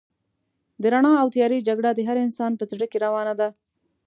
د رڼا او تيارې جګړه د هر انسان په زړه کې روانه ده.